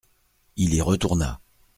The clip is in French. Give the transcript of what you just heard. Il y retourna.